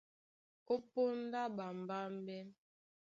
Ó póndá ɓambámbɛ́,